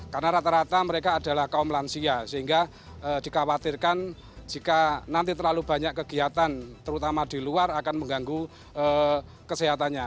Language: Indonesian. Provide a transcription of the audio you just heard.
karena rata rata mereka adalah kaum lansia sehingga dikhawatirkan jika nanti terlalu banyak kegiatan terutama di luar akan mengganggu kesehatannya